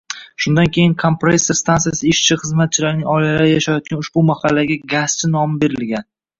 Shundan keyin kompressor stansiyasi ishchi-xizmatchilarining oilalari yashayotgan ushbu mahallaga “Gazchi” nomi berilgan.